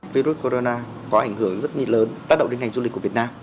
virus corona có ảnh hưởng rất nhiều lớn tác động đến ngành du lịch của việt nam